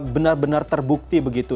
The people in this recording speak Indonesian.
benar benar terbukti begitu